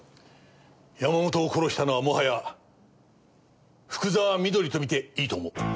山本を殺したのはもはや福沢美登里と見ていいと思う。